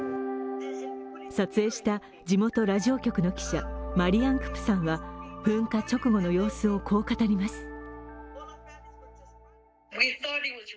撮影した地元ラジオ局の記者マリアン・クプさんは、噴火直後の様子をこう語ります。